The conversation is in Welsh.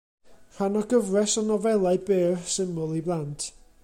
Rhan o gyfres o nofelau byr, syml i blant.